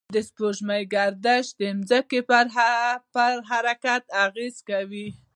د سپوږمۍ گردش د ځمکې پر حرکت اغېز کوي.